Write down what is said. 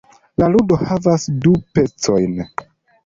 La ludo havas du pecojn.